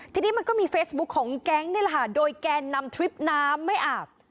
ทีนี้มันก็มีเฟซบุ๊คของแก๊งนี่แหละค่ะโดยแกนนำทริปน้ำไม่อาบ